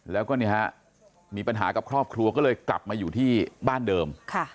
แล้วก็มีปัญหากับครอบครัวก็เลยกลับมาอยู่ที่บ้านเดิม